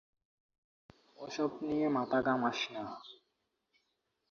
ওসব নিয়ে মাথা ঘামাস না।